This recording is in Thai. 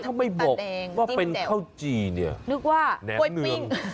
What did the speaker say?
ถ้าไม่บอกว่าเป็นข้าวจีเนี่ยนึกว่ากล้วยปิ้ง